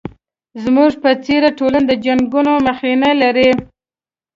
زموږ په څېر ټولنه د جنګونو مخینه لري.